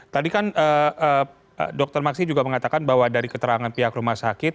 tadi kan dokter maksi juga mengatakan bahwa dari keterangan pihak rumah sakit